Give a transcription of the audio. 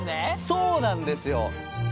そうなんですよ。